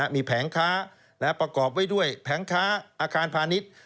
มีแผงค้าประกอบไว้ด้วยแผงค้าอาคารพาณิชย์